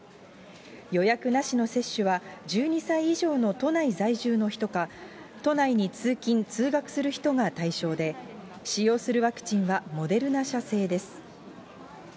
予約なしの接種は、１２歳以上の都内在住の人か、都内に通勤・通学する人が対象で、使用するワクチンはモデルナ社製です。